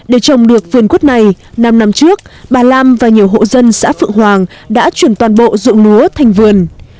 để trồng được vườn quất này năm năm trước bà lam và nhiều hộ dân xã phượng hoàng đã chuyển toàn bộ dụng lúa thành vườn